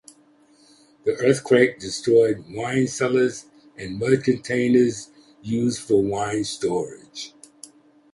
The earthquake destroyed wine cellars and mud containers used for wine storage.